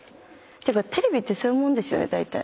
てかテレビってそういうもんですよねだいたい。